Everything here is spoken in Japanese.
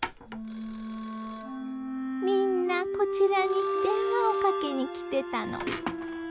☎☎みんなこちらに電話をかけに来てたの。